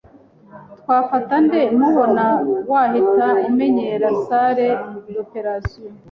twafata nde mubona wahita amenyera salle d’operation,